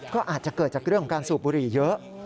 ก็อาจจะเกิดช่วยเกื้อกับเรื่องการสูบบุหรี่เยอะ